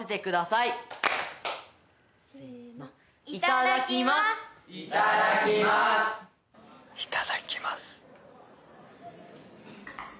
いただきます。